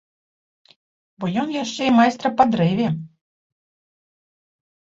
Бо ён яшчэ і майстра па дрэве.